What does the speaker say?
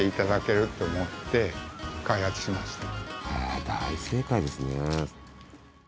ああ大正解ですね。